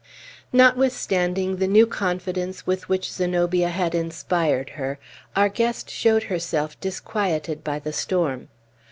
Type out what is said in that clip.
Notwithstanding the new confidence with which Zenobia had inspired her, our guest showed herself disquieted by the storm.